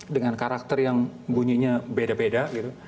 dengan karakter yang bunyinya beda